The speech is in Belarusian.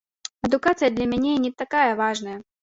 Адукацыя для мяне не такая важная.